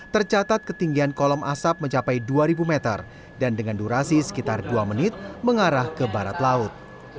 tercatat ketinggian kolom asap mencapai dua ribu meter dan dengan durasi sekitar dua menit mengarah ke barat laut